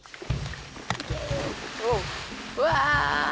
うわ！